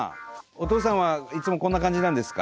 お父さんはいつもこんな感じなんですか？